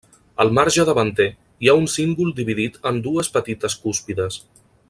Al marge davanter, hi ha un cíngol dividit en dues petites cúspides.